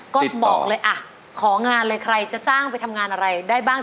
ก็บอกเลยอ่ะของานเลยใครจะจ้างไปทำงานอะไรได้บ้าง